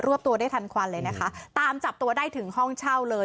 วบตัวได้ทันควันเลยนะคะตามจับตัวได้ถึงห้องเช่าเลย